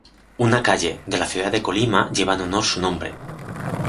Una calle de la ciudad de Colima lleva en honor su nombre.